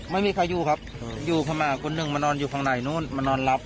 ไม่มีใครอยู่ครับอยู่ข้างหน้าคนหนึ่งมานอนอยู่ข้างในนู้นมานอนรับ